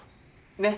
ねっ？